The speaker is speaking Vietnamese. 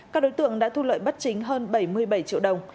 các đối tượng đã thu lợi bất chính hơn bảy mươi bảy triệu đồng